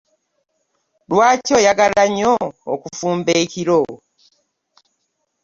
Lwaki oyagala nnyo okufumba ekiro?